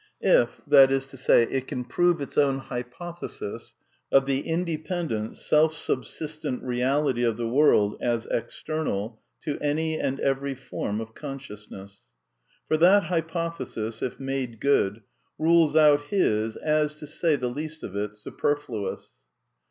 If, that is to say, it can prove its own hypothesis of the independent, self sub sistent reality of the world as external to any and every form of consciousness. For that hypothesis, if made good, rules out his as, to say the least of it, superfluous.